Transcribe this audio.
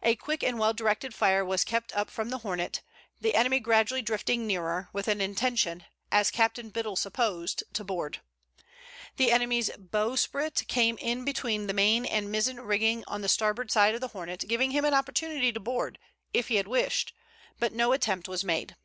A quick and well directed fire was kept up from the Hornet, the enemy gradually drifting nearer, with an intention, as Captain Biddle supposed, to board. The enemy's bowsprit came in between the main and mizen rigging on the starboard side of the Hornet, giving him an opportunity to board, if he had wished but no attempt was made.